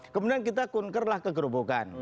kemudian kita kunkerlah ke gerobokan